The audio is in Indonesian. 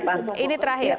bu yani ini terakhir